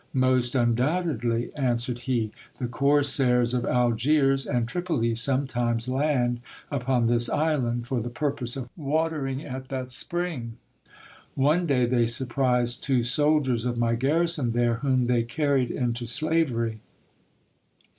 Most undoubtedly, answered he. The corsairs of Algiers and Tripoli sometimes land upon this island, for the purpose of watering at that spring. One day they surprised two soldiers of my garrison there, whom they carried into slavery.